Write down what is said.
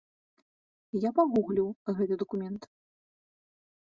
Я пагугліў гэты дакумент.